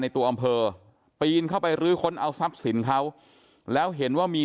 ตัวอำเภอปีนเข้าไปรื้อค้นเอาทรัพย์สินเขาแล้วเห็นว่ามี